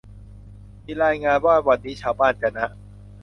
มีรายงานว่า วันนี้ชาวบ้านจะนะ